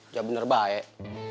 udah bener baik